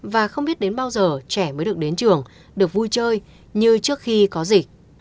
và không biết đến bao giờ trẻ mới được đến trường được vui chơi như trước khi có gì